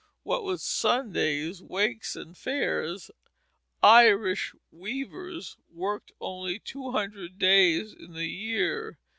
What with Sundays, wakes, and fairs, Irish weavers worked only two hundred days in the year.